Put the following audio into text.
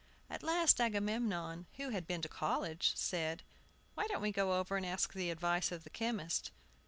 At last Agamemnon, who had been to college, said, "Why don't we go over and ask the advice of the chemist?"